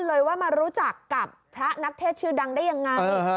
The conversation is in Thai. เลยว่ามารู้จักกับพระนักเทศชื่อดังได้ยังไง